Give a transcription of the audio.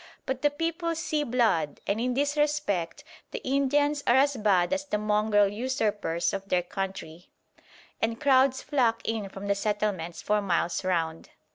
But the people "see blood," and in this respect the Indians are as bad as the mongrel usurpers of their country, and crowds flock in from the settlements for miles round.